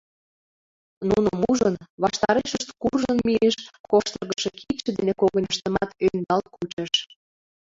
Нуным ужын, ваштарешышт куржын мийыш, коштыргышо кидше дене когыньыштымат ӧндал кучыш.